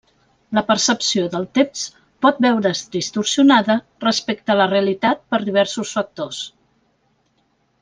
La percepció del temps pot veure's distorsionada respecte a la realitat per diversos factors.